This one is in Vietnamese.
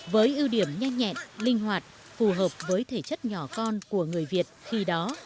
với ưu điểm nhanh nhẹn linh hoạt phù hợp với thể chất nhỏ con của người việt khi đó